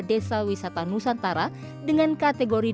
desa wisata nusantara dengan kategori